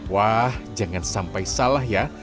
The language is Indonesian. wah jangan sampai salah ya